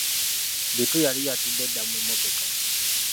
Bittu yali yatudde dda mu mmotoka.